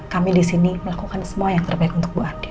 kami disini melakukan semua yang terbaik untuk bu andin